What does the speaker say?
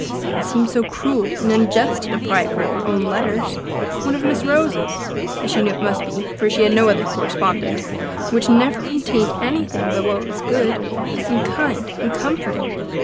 It seemed so cruel and unjust to deprive her of her own letters; one of Miss Rose's as she knew it must be, for she had no other correspondent which never contained anything but what was good, and kind, and comforting.